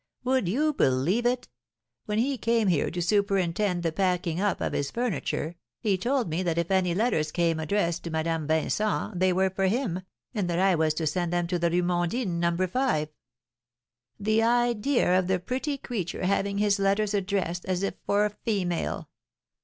Would you believe it? When he came here to superintend the packing up of his furniture, he told me that if any letters came addressed to 'Madame Vincent,' they were for him, and that I was to send them to the Rue Mondine, No. 5. The idea of the pretty creature having his letters addressed as if for a female!